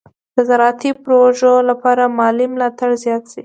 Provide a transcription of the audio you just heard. د زراعتي پروژو لپاره مالي ملاتړ زیات شي.